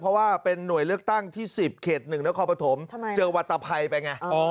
เพราะว่าเป็นหน่วยเลือกตั้งที่๑๐เขตหนึ่งนะครอบครับผมเจอวัตตาภัยไปไง